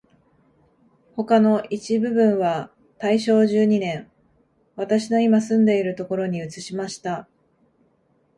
他の一部分は大正十二年、私のいま住んでいるところに移しました